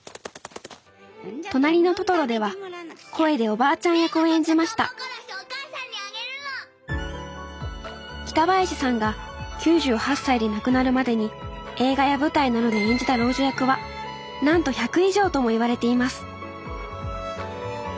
「となりのトトロ」では声でおばあちゃん役を演じました北林さんが９８歳で亡くなるまでに映画や舞台などで演じた老女役はなんと１００以上ともいわれています